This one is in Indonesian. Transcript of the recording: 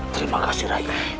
terima kasih rai